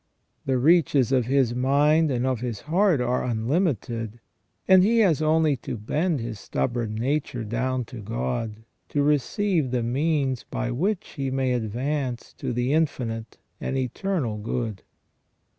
The reaches of his mind and of his heart are unlimited, and he has only to bend his stubborn nature down to God, to receive the means by which he may advance to the infinite and eternal good.